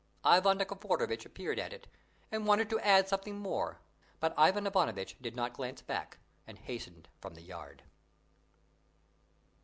Ivan Nikiforovitch appeared at it and wanted to add something more; but Ivan Ivanovitch did not glance back and hastened from the yard.